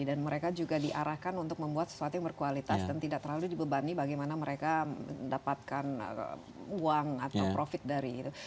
dan mereka juga diarahkan untuk membuat sesuatu yang berkualitas dan tidak terlalu dibebani bagaimana mereka mendapatkan uang atau profit dari itu